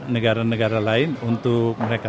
negara negara lain untuk mereka